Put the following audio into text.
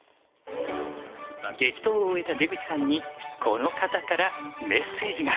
激闘を終えた出口さんにこの方からメッセージが。